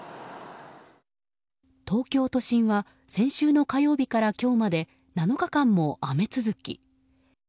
東京都心は先週の火曜日から今日まで７日間も雨続き。